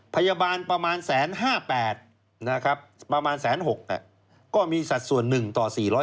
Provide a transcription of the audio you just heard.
พยาบาลประมาณ๑๕๘นะครับประมาณ๑๖๐๐ก็มีสัดส่วน๑ต่อ๔๕